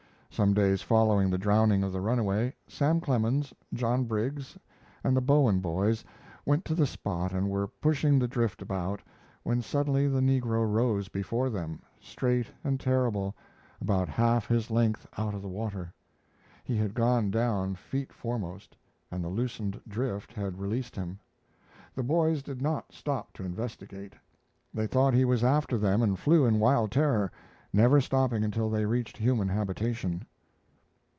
Some days following the drowning of the runaway, Sam Clemens, John Briggs, and the Bowen boys went to the spot and were pushing the drift about, when suddenly the negro rose before them, straight and terrible, about half his length out of the water. He had gone down feet foremost, and the loosened drift had released him. The boys did not stop to investigate. They thought he was after them and flew in wild terror, never stopping until they reached human habitation.